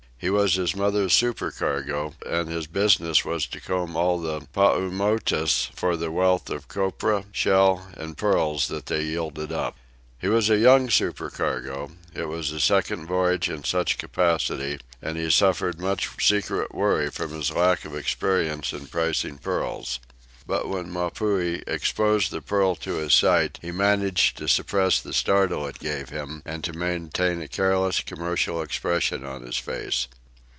He was his mother's supercargo, and his business was to comb all the Paumotus for the wealth of copra, shell, and pearls that they yielded up. He was a young supercargo, it was his second voyage in such capacity, and he suffered much secret worry from his lack of experience in pricing pearls. But when Mapuhi exposed the pearl to his sight he managed to suppress the startle it gave him, and to maintain a careless, commercial expression on his face.